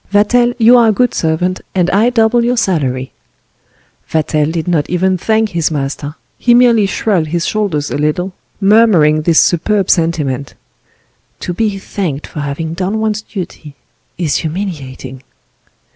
Vatel, you are a good servant, and I double your salary." Vatel did not even thank his master, he merely shrugged his shoulders a little, murmuring this superb sentiment: "To be thanked for having done one's duty is humiliating."